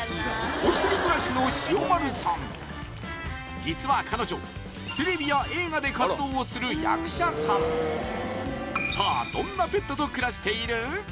お一人暮らしのしおまるさん実は彼女テレビや映画で活動をする役者さんさあどんなペットと暮らしている？